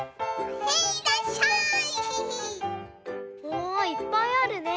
おいっぱいあるね。